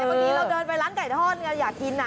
เมื่อกี้เราเดินไปร้านไก่ทอดอยากกิน